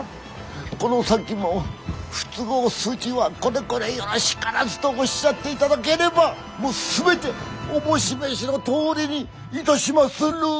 この先も不都合筋は「これこれよろしからず」とおっしゃっていただければもう全て思し召しのとおりにいたしまする。